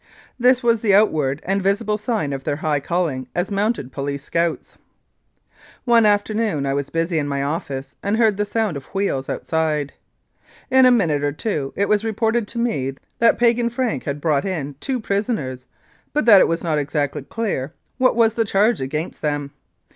This was the outward and visible sign of their high calling as Mounted Police Scouts. One afternoon I was busy in my office and heard the sound of wheels outside. In a minute or two it was reported to me that Piegan Frank had brought in two prisoners, but that it was not exactly clear what was the charge against them.